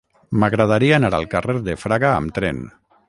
M'agradaria anar al carrer de Fraga amb tren.